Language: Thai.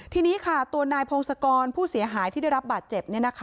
ทีนี้ค่ะตัวนายพงศกรผู้เสียหายที่ได้รับบาดเจ็บ